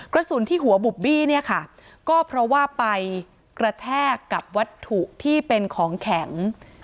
กระสุนที่หัวบุบบี้เนี่ยค่ะก็เพราะว่าไปกระแทกกับวัตถุที่เป็นของแข็ง